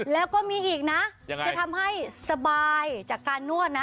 แล้วก็มีอีกนะจะทำให้สบายจากการนวดนะ